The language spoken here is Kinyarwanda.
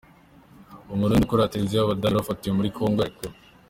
Umurundi ukorera Televiziyo y’ Abadage wari wafatiwe muri Congo yarekure .